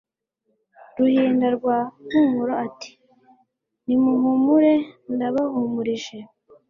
Ruhinda rwa Mpumuro Ati nimuhumure ndabahumurije,